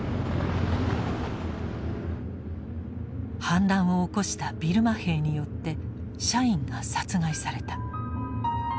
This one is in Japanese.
反乱を起こしたビルマ兵によって社員が殺害された。